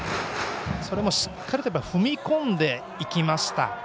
それも、しっかりと踏み込んでいきました。